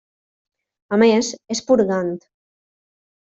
A més, és purgant.